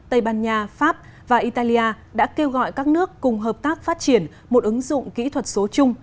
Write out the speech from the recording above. tây ban nha pháp và italia đã kêu gọi các nước cùng hợp tác phát triển một ứng dụng kỹ thuật số chung